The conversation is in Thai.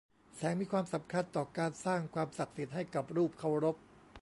แสงมีความสำคัญต่อการสร้างความศักดิ์สิทธิ์ให้กับรูปเคารพ